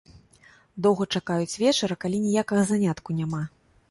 Доўга чакаюць вечара, калі ніякага занятку няма.